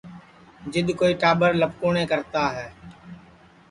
جِد کوئی ٽاٻرَ لپکُﯡنیں کرتا ہے